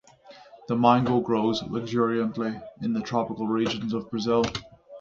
The mango grows luxuriantly in the tropical regions of Brazil.